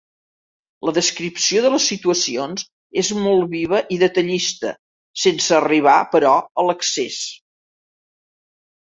La descripció de les situacions és molt viva i detallista, sense arribar, però, a l'excés.